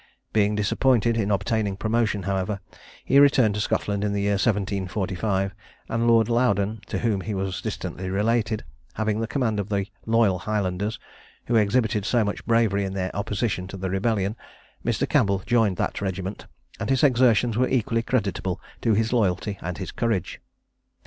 Being disappointed in obtaining promotion, however, he returned to Scotland in the year 1745, and Lord Loudon, to whom he was distantly related, having the command of the loyal Highlanders, who exhibited so much bravery in their opposition to the rebellion, Mr. Campbell joined that regiment, and his exertions were equally creditable to his loyalty and his courage.